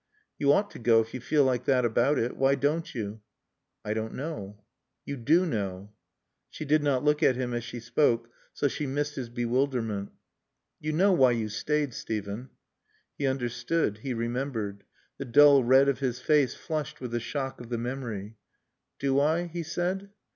"You ought to go if you feel like that about it. Why don't you?" "I don't know." "You do know." She did not look at him as she spoke, so she missed his bewilderment. "You know why you stayed, Steven." He understood. He remembered. The dull red of his face flushed with the shock of the memory. "Do I?" he said.